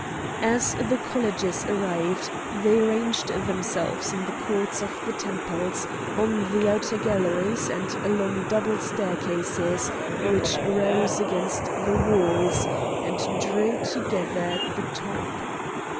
As the colleges arrived they ranged themselves in the courts of the temples, on the outer galleries, and along double staircases which rose against the walls, and drew together at the top.